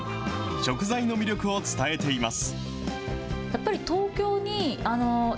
食材の魅力を伝えています。